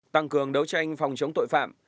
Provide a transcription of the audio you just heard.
tăng cường đấu tranh phòng chống tội phạm